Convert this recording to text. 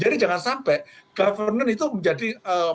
jangan sampai governance itu menjadi